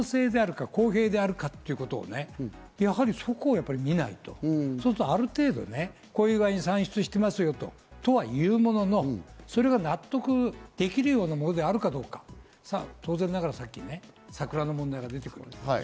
そうなると一体、算出方法が公平であるかということ、やはりそこを見ないと、ある程度こういう具合に算出していますよとはいうものの、それが納得できるようなものであるかどうか、当然ながら、さっきサクラの問題も出てきた。